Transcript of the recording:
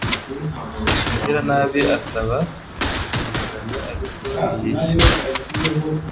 Umugiranabi asaba inguzanyo ariko ntiyishyure